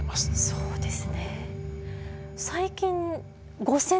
そうです。